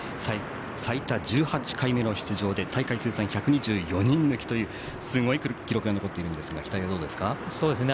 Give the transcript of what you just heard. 最多１８回目の出場で大会通算１２４人抜きというすごい記録が残っているんですが期待はどうですか。